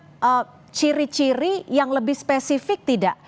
ada ciri ciri yang lebih spesifik tidak